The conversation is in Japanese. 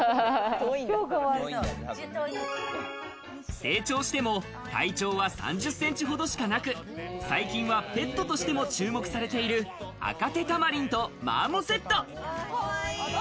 成長しても体長は３０センチほどしかなく、最近はペットとしても注目されているアカテタマリンとマーモセット。